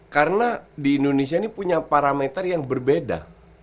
karena di indonesia ini punya parameter yang berbeda